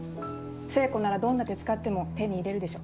聖子ならどんな手使っても手に入れるでしょ。